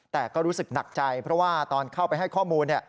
แต่ก็รู้สึกหนักใจเพราะว่าตอนเข้าไปให้ข้อมูล